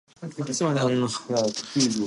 She also wrote short stories and novels.